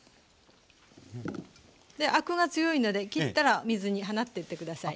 でアクが強いので切ったら水に放ってって下さい。